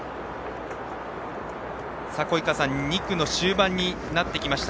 鯉川さん、２区の終盤になってきました。